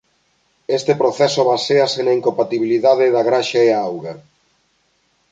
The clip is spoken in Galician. Este proceso basease na incompatibilidade da graxa e a auga.